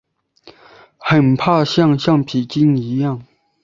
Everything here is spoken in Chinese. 很怕像橡皮筋一样